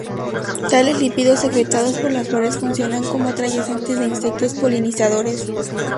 Tales lípidos secretados por las flores funcionan como atrayentes de insectos polinizadores.